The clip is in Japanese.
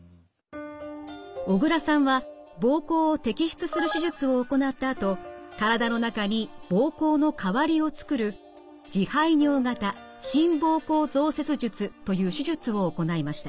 小倉さんは膀胱を摘出する手術を行ったあと体の中に膀胱の代わりをつくる自排尿型新膀胱造設術という手術を行いました。